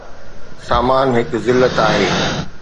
سامان هڪ ذلت آهي